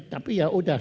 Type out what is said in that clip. tapi ya sudah